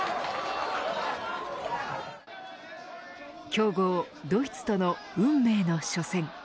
強豪ドイツとの運命の初戦。